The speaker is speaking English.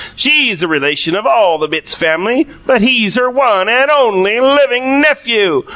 She's a relation of all the Bitts family, but he's her one and only living nephew.